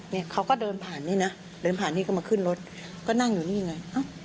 เนี่ยเขาก็เดินผ่านนี่นะเดินผ่านนี่ก็มาขึ้นรถก็นั่งอยู่นี่ไง